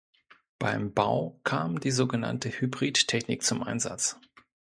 Beim Bau kam die so genannte Hybrid-Technik zum Einsatz.